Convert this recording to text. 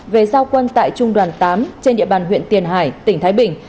về giao quân tại trung đoàn tám trên địa bàn huyện tiền hải tỉnh thái bình